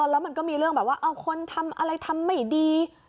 แล้วมันก็มีเรื่องแบบว่าเอาคนทำอะไรทำไม่ดี